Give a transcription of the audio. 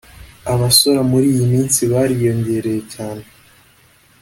abasora muri iyi minsi bariyongereye cyane